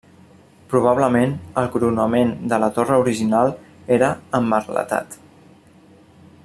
Probablement, el coronament de la torre original era emmerletat.